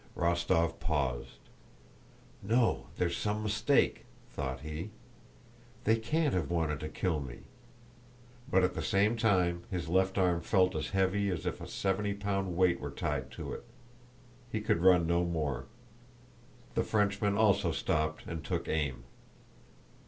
Rostóv paused. "No, there's some mistake," thought he. "They can't have wanted to kill me." But at the same time, his left arm felt as heavy as if a seventy pound weight were tied to it. He could run no more. The Frenchman also stopped and took aim.